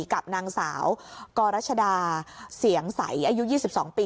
กับนางสาวกรรัชดาเสียงใสอายุ๒๒ปี